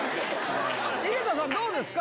井桁さん、どうですか？